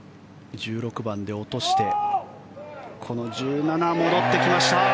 １６番で落としてこの１７、戻ってきました。